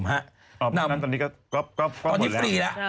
นั่นตอนนี้ก็หมดแล้วนะครับใช่ตอนนี้ฟรีแล้ว